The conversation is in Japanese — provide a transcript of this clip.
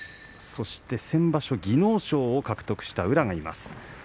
そして先場所、技能賞を獲得した宇良がいます。